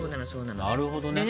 なるほどね。